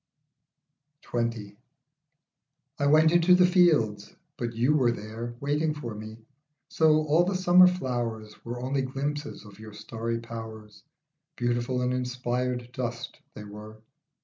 XX. I WENT into the fields, but you were there Waiting for me, so all the summer flowers Were only glimpses of your starry powers ; Beautiful and inspired dust they were.